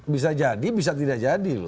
bisa jadi bisa tidak jadi loh